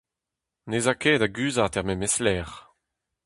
Ne'z a ket da guzhat er memes lec'h.